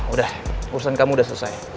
udah urusan kamu udah selesai